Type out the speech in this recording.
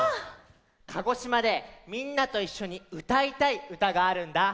鹿児島でみんなといっしょにうたいたいうたがあるんだ。